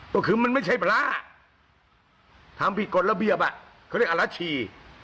ก็คือมันไม่ใช่พระทำผิดกฎระเบียบอ่ะเขาเรียกอรัชชี